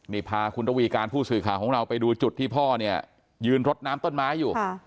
นี่พาคุณระวีการผู้สื่อข่าวของเราไปดูจุดที่พ่อเนี่ยยืนรดน้ำต้นไม้อยู่